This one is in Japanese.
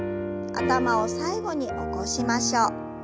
頭を最後に起こしましょう。